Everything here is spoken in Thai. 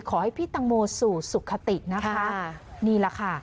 ขอให้พี่ตังโมสู่สุขตินะคะนี่แหละค่ะ